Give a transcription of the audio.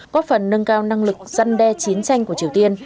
có phần nâng cao năng lực dân đe chiến tranh của triều tiên